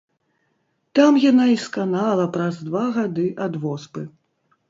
Там яна і сканала праз два гады ад воспы.